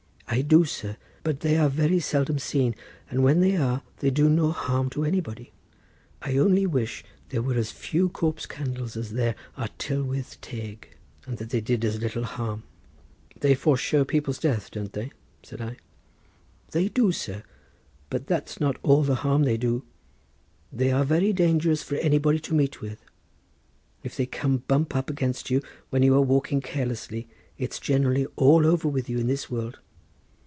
"I do, sir; but they are very seldom seen, and when they are they do no harm to anybody. I only wish there were as few corpse candles as there are Tylwith Teg, and that they did as little harm." "They foreshow people's deaths, don't they?" said I. "They do, sir? but that's not all the harm they do. They are very dangerous for anybody to meet with. If they come bump up against you when you are walking carelessly it's generally all over with you in this world.